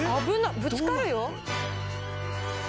ぶつかるよ。